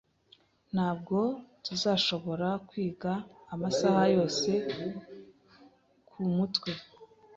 Ntabwo tuzashobora kwiga amagambo yose kumutwe.